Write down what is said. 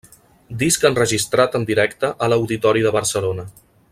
Disc enregistrat en directe a l’Auditori de Barcelona.